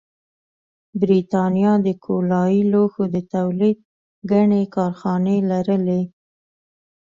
برېټانیا د کولالي لوښو د تولید ګڼې کارخانې لرلې